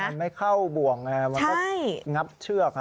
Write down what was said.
มันไม่เข้าบ่วงไงมันก็งับเชือก